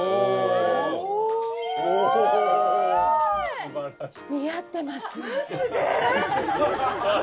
すっごい似合ってます。